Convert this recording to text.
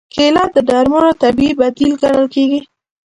کېله د درملو طبیعي بدیل ګڼل کېږي.